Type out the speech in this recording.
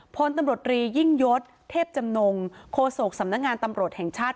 พลตำรวจรียิ่งยศเทพจำนงโคศกสำนักงานตำรวจแห่งชาติ